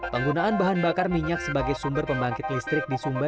penggunaan bahan bakar minyak sebagai sumber pembangkit listrik di sumba